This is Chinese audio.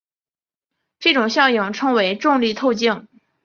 这种效应称为重力透镜。